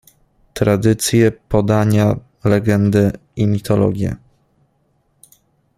Tradycje, podania, legendy i mitologie.